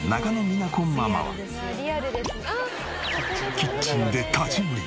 キッチンで立ち食い。